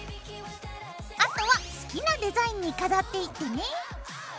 あとは好きなデザインに飾っていってね。